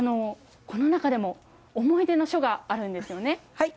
この中でも思い出の書があるんですよね？